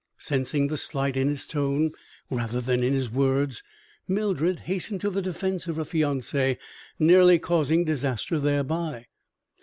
Sensing the slight in his tone, rather than in his words, Mildred hastened to the defence of her fiance, nearly causing disaster thereby.